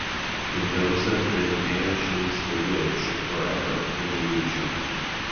Mendoza then banishes the witch forever from the region.